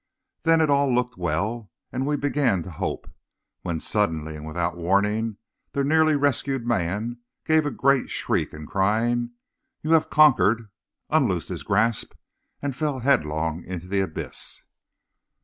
Then it all looked well, and we began to hope, when suddenly and without warning the nearly rescued man gave a great shriek, and crying, 'You have conquered!' unloosed his grasp, and fell headlong into the abyss.